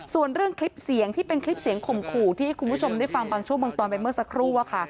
ส่วนเรื่องคลิปเสียงที่เป็นคลิปเสียงข่มขู่ที่ให้คุณผู้ชมได้ฟังบางช่วงบางตอนไปเมื่อสักครู่อะค่ะ